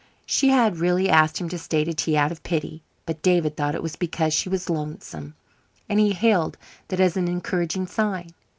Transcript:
She had really asked him to stay to tea out of pity, but David thought it was because she was lonesome, and he hailed that as an encouraging sign.